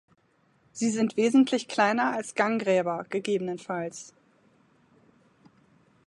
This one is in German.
Sie sind wesentlich kleiner als Ganggräber, ggf.